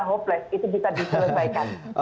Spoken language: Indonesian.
hopeless itu bisa diselesaikan